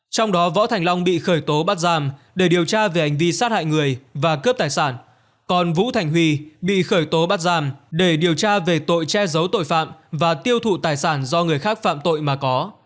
trong đó võ thành long bị khởi tố bắt giam để điều tra về hành vi sát hại người và cướp tài sản còn vũ thành huy bị khởi tố bắt giam để điều tra về tội che giấu tội phạm và tiêu thụ tài sản do người khác phạm tội mà có